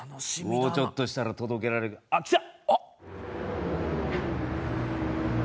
もうちょっとしたら届けられるあっ来た！